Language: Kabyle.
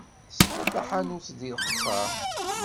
Tesɛiḍ taḥanut deg Leqṣeṛ?